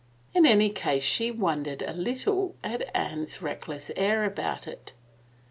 In any case she wondered a little at Anne's reckless air about it.